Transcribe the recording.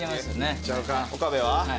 岡部は？